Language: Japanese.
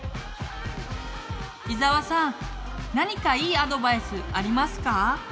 伊沢さん何かいいアドバイスありますか？